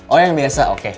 oh yang biasa oke